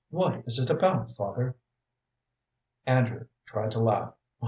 "What is it about, father?" Andrew tried to laugh.